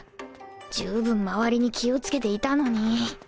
十分周りに気を付けていたのに